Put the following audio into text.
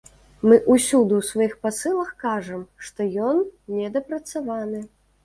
Мы ўсюды ў сваіх пасылах кажам, што ён недапрацаваны.